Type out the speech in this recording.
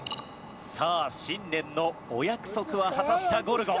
さあ新年のお約束は果たしたゴルゴ。